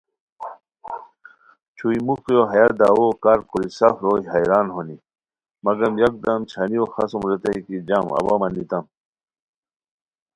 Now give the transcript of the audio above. چھوئی موخیو ہیہ دعوؤ کار کوری سف روئے حیران ہونی مگم یکدم چھانیو خاڅوم ریتائے کی جام اوا مانیتام